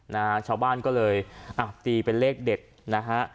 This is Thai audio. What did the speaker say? นะฮะชาวบ้านก็เลยอ่ะตีเป็นเลขเด็ดนะฮะ